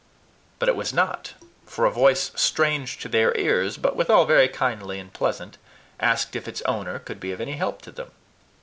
But it was not, for a voice strange to their ears, but withal very kindly and pleasant, asked if its owner could be of any help to them.